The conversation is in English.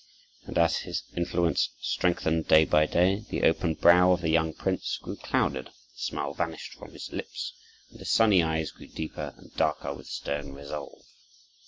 And as his influence strengthened day by day, the open brow of the young prince grew clouded, the smile vanished from his lips, and his sunny eyes grew deeper and darker with stern resolve.